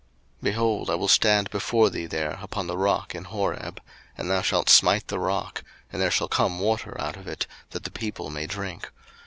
02:017:006 Behold, I will stand before thee there upon the rock in Horeb; and thou shalt smite the rock, and there shall come water out of it, that the people may drink.